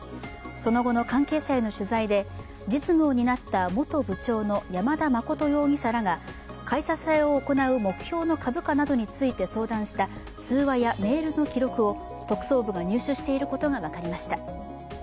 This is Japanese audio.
その後の関係者への取材で、実務をになった元部長の山田誠容疑者らが買い支えを行う目標の株価などについて相談した通話やメールの記録を特捜部が入手していることが分かりました。